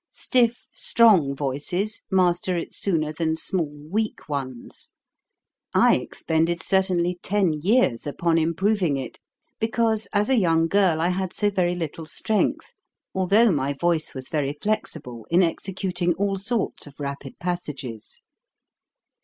Stiff, strong voices master it sooner than small, weak ones. I expended certainly ten years upon improving it, because as a young girl I had so very little strength, although my voice was very flexible in executing all sorts of rapid passages.